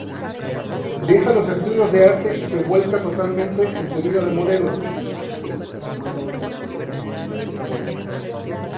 Deja los estudios de arte y se vuelca totalmente en su vida de modelo.